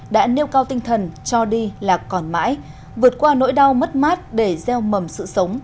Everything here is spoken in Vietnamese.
đã nêu cao tinh thần cho đi là còn mãi vượt qua nỗi đau mất mát để gieo mầm sự sống